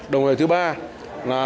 đồng thời thứ ba là